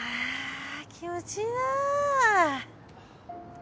気持ちいいなぁ。